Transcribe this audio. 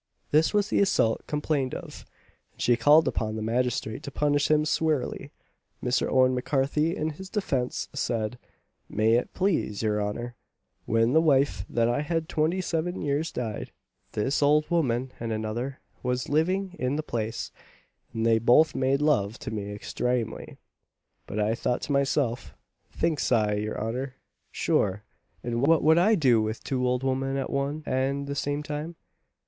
This was the assault complained of, and she called upon the magistrate to punish him sewerely. Mr. Owen M'Carthy in his defence said, "May it plase your honour, when the wife that I had twenty seven years died, this ould woman and another was living in the place, and they both made love to me extramely. But I thought to myself, thinks I, your honour, sure and what would I do with two ould women at one and the same time?